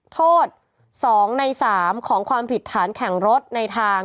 โทษ๒ใน๓ของความผิดฐานแข่งรถในทาง